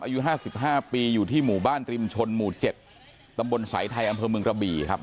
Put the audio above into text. อายุห้าสิบห้าปีอยู่ที่หมู่บ้านตริมชนหมู่เจ็ดตำบลสายไทยอำเภอเมืองระบีครับ